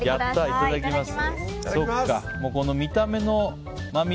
いただきます。